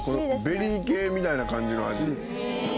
ベリー系みたいな感じの味。